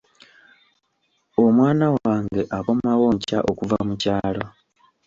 Omwana wange akomawo nkya okuva mu kyalo.